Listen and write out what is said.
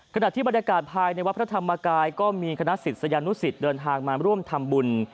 ขณะที่บรรยากาศภายในวัดพระธรรมกายก็มีคณะศิษยานุสิตเดินทางมาร่วมทำบุญ